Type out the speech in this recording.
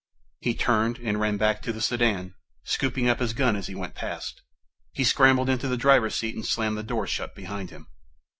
He turned, and ran back to the sedan, scooping up his gun as he went past. He scrambled into the driver's seat and slammed the door shut behind him.